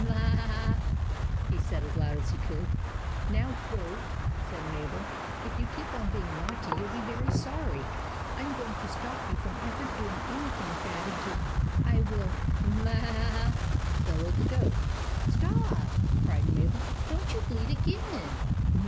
" M m a a a I " he said, as loud as he could. " Now, Goat," said Mabel, " if you keep on being naughty, you '11 be very sorry. I am going to stop you from ever doing anything bad again. I will —"" M m a a a !" bellowed the goat. 11 Stop !" cried Mabel. " Don't you bleat again